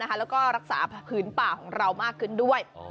แล้วก็รักษาผืนป่าของเรามากขึ้นด้วย